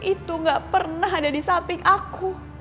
itu gak pernah ada di samping aku